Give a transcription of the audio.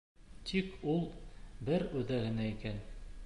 Тик ул... бер үҙе генә икән.